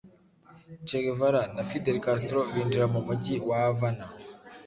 che guevara na fidel castro binjira mu mujyi wa havana,